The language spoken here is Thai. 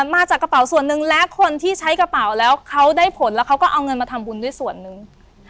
มาจากกระเป๋าส่วนหนึ่งและคนที่ใช้กระเป๋าแล้วเขาได้ผลแล้วเขาก็เอาเงินมาทำบุญด้วยส่วนหนึ่ง